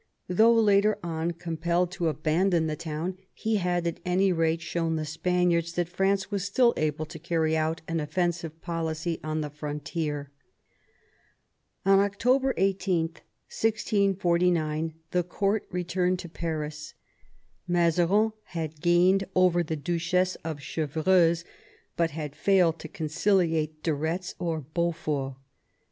Though later on compelled to abandon the town, he had, at any rate, shown the Spaniards that France was still able to carry out an offensive policy on the frontier. On August 18, 1649, the isourt returned to Paris. Mazarin had gained over the Duchess of Chevreuse, but had failed to conciliate de Retz or Beaufort.